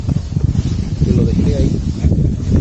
Que lo dejé ahí.